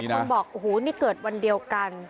คนบอกโอ้โหนี่เกิดวันเดียวกัน